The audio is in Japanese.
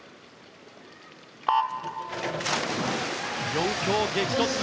４強、激突。